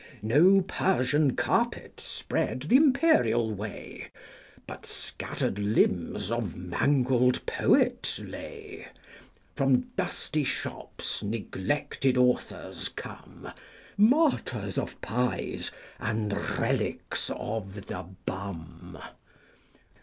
No Persian carpets spread the imperial way, But scatter'd limbs of mangled poets lay : From dusty shops neglected authors come, 100 Martyrs of pies, and reliques of the bum.